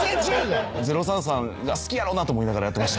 ０３さんが好きやろなと思いながらやってました。